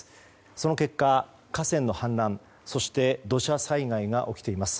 その結果、河川の氾濫そして土砂災害が起きています。